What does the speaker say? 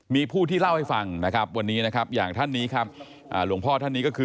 มีผู้ที่เล่าให้ฟังวันนี้อย่างท่านนี้ครับหลวงพ่อท่านนี้ก็คือ